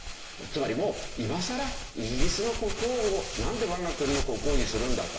つまりもう今さらイギリスの国王をなんで我が国の国王にするんだと。